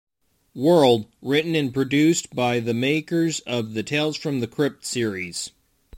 World", written and produced by the makers of the "Tales from the Crypt" series.